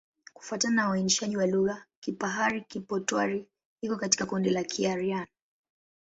Kufuatana na uainishaji wa lugha, Kipahari-Kipotwari iko katika kundi la Kiaryan.